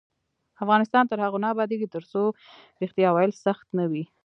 افغانستان تر هغو نه ابادیږي، ترڅو ریښتیا ویل سخت نه وي.